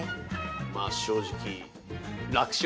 まあ正直楽勝？